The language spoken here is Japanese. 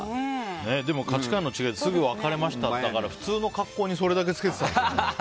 でも価値観の違いですぐ別れましただから普通の格好にそれだけ着けてたんだろうね。